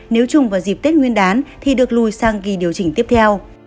nếu chung vào dịp tết nguyên đán thì được lùi sang kỳ điều chỉnh tiếp theo